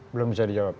belum bisa dijawab